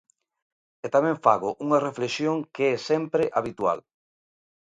E tamén fago unha reflexión que é sempre habitual.